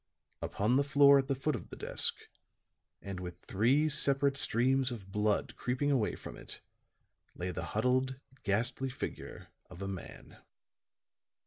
Upon the floor at the foot of the desk, and with three separate streams of blood creeping away from it, lay the huddled, ghastly figure of a man.